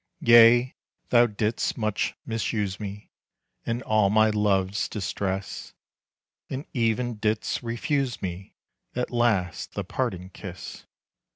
Yea, thou did'st much misuse me, In all my love's distress, And even didst refuse me At last the parting kiss.